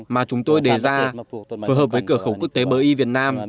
mà chúng tôi đề ra phối hợp với cửa khẩu quốc tế bỡ y việt nam